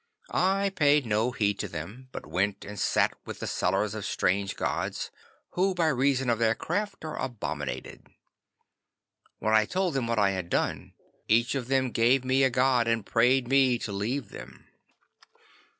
I paid no heed to them, but went and sat with the sellers of strange gods, who by reason of their craft are abominated. When I told them what I had done, each of them gave me a god and prayed me to leave them.